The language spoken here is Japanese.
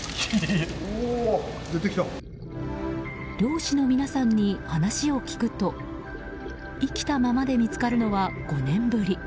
漁師の皆さんに話を聞くと生きたままで見つかるのは５年ぶり。